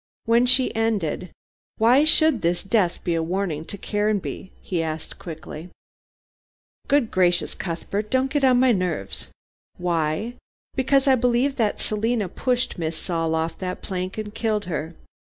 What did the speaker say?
When she ended, "Why should this death be a warning to Caranby?" he asked quickly. "Good gracious, Cuthbert, don't get on my nerves. Why? because I believe that Selina pushed Miss Saul off that plank and killed her.